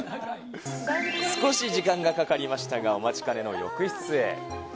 少し時間がかかりましたが、お待ちかねの浴室へ。